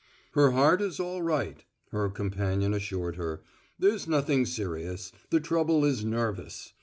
"Her heart is all right," her companion assured her. "There's nothing serious; the trouble is nervous.